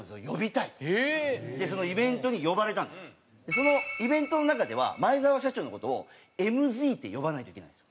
そのイベントの中では前澤社長の事をＭＺって呼ばないといけないんですよ。